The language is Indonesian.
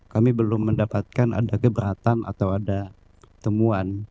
kami belum mendapatkan ada keberatan atau ada temuan